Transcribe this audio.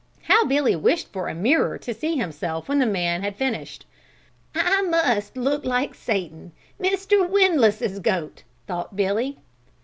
How Billy wished for a mirror to see himself when the man had finished! "I must look like Satan, Mr. Windlass's goat," thought Billy.